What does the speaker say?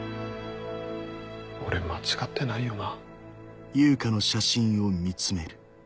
俺間違ってないよな？